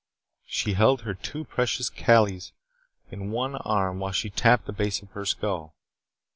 She held her two precious Kalis in one arm while she tapped the base of her skull.